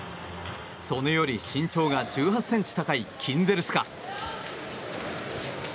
素根より身長が１８ｃｍ高いキンゼルスカ。